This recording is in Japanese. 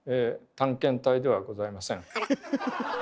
探検隊ではございません。